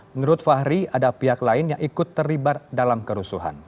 menurut fahri ada pihak lain yang ikut terlibat dalam kerusuhan